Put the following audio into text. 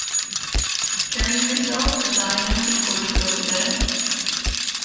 Airing yourself, as I am, before you go to bed?